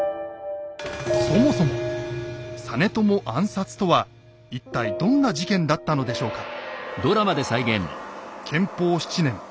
そもそも「実朝暗殺」とは一体どんな事件だったのでしょうか？